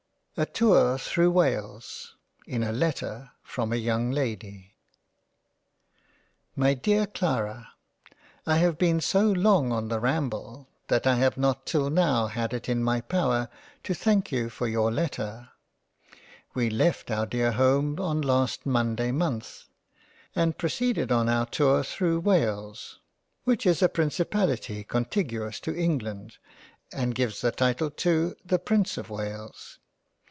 137 £ JANE AUSTEN A TOUR THROUGH WALES— in a LETTER from a YOUNG LADY— My dear Clara 1HAVE been so long on the ramble that I have not till now had it in my power to thank you for your Letter —. We left our dear home on last Monday month ; and pro ceeded on our tour through Wales, which is a principality contiguous to England and gives the title to the Prince of Wales.